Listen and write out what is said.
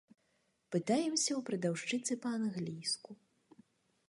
Пытаемся ў прадаўшчыцы па-англійску.